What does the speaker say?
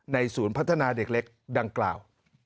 ศูนย์พัฒนาเด็กเล็กดังกล่าว